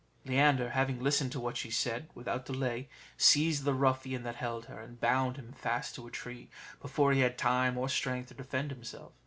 Leander, having listened to what she said, without delay seized the ruffian that held her, and bound him fast to a tree, before he had time or strength to defend himself.